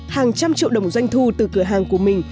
hàng trăm triệu đồng doanh thu từ cửa hàng của mình